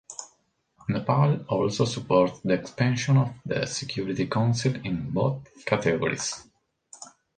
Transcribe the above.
Nepal also supports the expansion of the Security Council in both categories.